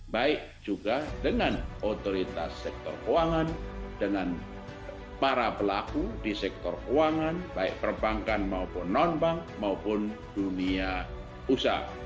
baik juga dengan otoritas sektor keuangan dengan para pelaku di sektor keuangan baik perbankan maupun non bank maupun dunia usaha